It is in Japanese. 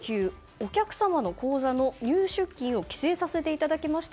お客様の口座の入出金を規制させていただきました